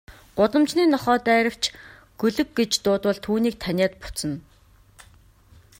Гудамжны нохой дайравч, гөлөг гэж дуудвал түүнийг таниад буцна.